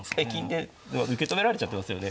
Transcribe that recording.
受け止められちゃってますよね。